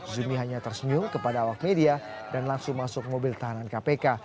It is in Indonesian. zumi hanya tersenyum kepada awak media dan langsung masuk mobil tahanan kpk